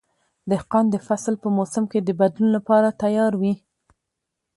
دهقان د فصل په موسم کې د بدلون لپاره تیار وي.